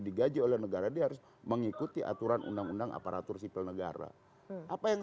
digaji oleh negara dia harus mengikuti aturan undang undang aparatur sipil negara apa yang